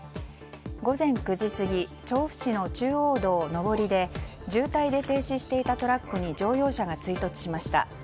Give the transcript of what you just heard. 午前９時過ぎ調布市の中央道上りで渋滞で停止していたトラックに乗用車が追突しました。